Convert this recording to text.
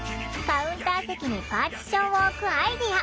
カウンター席にパーティションを置くアイデア。